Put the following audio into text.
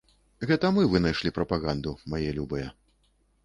Гэта мы вынайшлі прапаганду, мае любыя!